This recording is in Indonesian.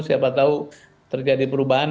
siapa tahu terjadi perubahan